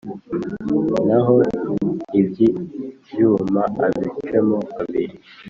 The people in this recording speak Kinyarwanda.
Naho iby`ibyuma abicemo kabiri.